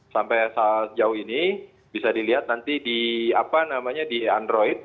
sampai sejauh ini bisa dilihat nanti di apa namanya di android